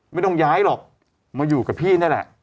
ไม่ต้องย้ายหรอกมาอยู่กับพี่นี่แหละ